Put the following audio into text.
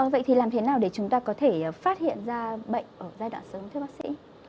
vậy thì làm thế nào để chúng ta có thể phát hiện ra bệnh ở giai đoạn sớm thưa bác sĩ